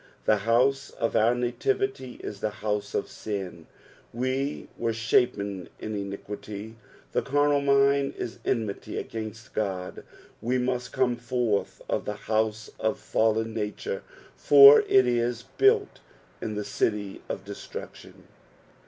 The house of our nativity is flic house of sin — we were shapen in iniquity ; the carnal mind is enmity against Ood, we must come forth of the house of fallen nature, for it is built in the City of Destruction.